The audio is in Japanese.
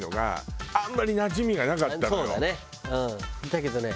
だけどね